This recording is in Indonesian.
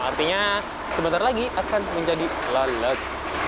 artinya sebentar lagi akan menjadi lalat